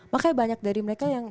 makanya banyak dari mereka yang